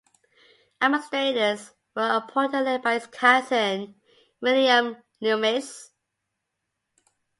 Administrators were appointed led by his cousin William Lummis.